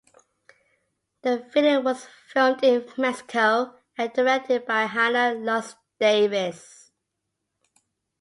The video was filmed in Mexico and directed by Hannah Lux Davis.